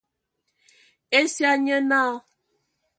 Esia nye naa.